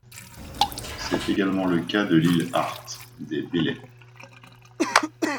C'est également le cas de l'île Art, des Bélep.